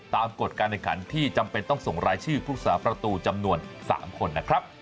กฎการแข่งขันที่จำเป็นต้องส่งรายชื่อผู้สาประตูจำนวน๓คนนะครับ